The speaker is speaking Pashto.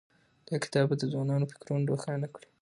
دا کتاب به د ځوانانو فکرونه روښانه کړي.